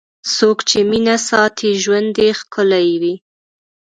څوک چې مینه ساتي، ژوند یې ښکلی وي.